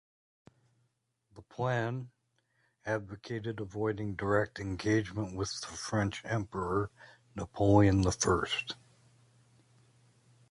The plan advocated avoiding direct engagement with the French emperor, Napoleon the First.